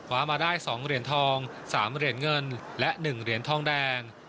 มาได้๒เหรียญทอง๓เหรียญเงินและ๑เหรียญทองแดง